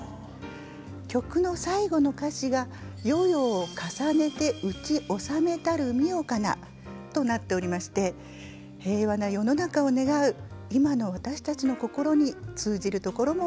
曲の最後の歌詞が「世々を重ねてうち治めたる御代かな」となっておりまして平和な世の中を願う今の私たちの心に通じるところもございます。